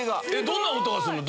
どんな音がするの？